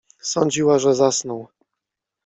Sądziła, że zasnął.